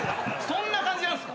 そんな感じなんすか？